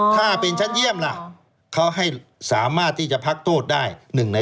ถ้าเป็นชัดเยี่ยมล่ะเขาให้สามารถที่จะพักโทษได้๑ใน